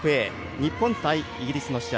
日本対イギリスの試合。